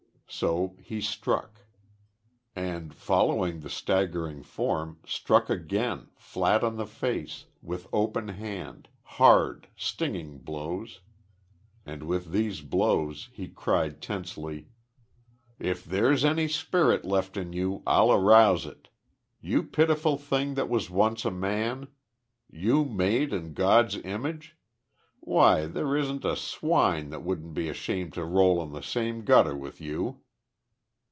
So he struck; and, following the staggering form, struck again, flat on the face, with open hand, hard, stinging blows. And with these blows he cried, tensely: "If there's any spirit left in you, I'll arouse it. You pitiful thing that was once a man! You made in God's image? Why, there isn't a swine that wouldn't be ashamed to roll in the same gutter with you!"